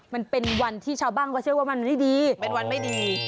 มันเป็นวันที่ชาวบ้านเขาเชื่อว่ามันไม่ดีเป็นวันไม่ดี